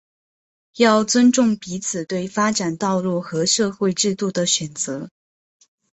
要尊重彼此对发展道路和社会制度的选择